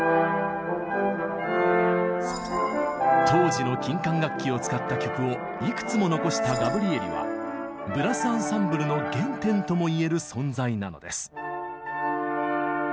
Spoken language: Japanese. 当時の金管楽器を使った曲をいくつも残したガブリエリはブラス・アンサンブルの原点とも言える存在なのです。